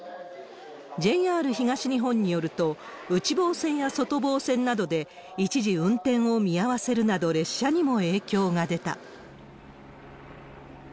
ＪＲ東日本によると、内房線や外房線などで一時、運転を見合わせるなど、列車にも影響が出た。